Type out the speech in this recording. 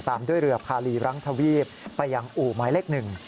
ตามด้วยเรือภาลีรังทวีปไปยังอู่ไม้เล็กหนึ่ง